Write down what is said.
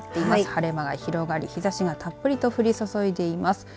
晴れ間が広がり日ざしがたっぷりと降り注いでいます。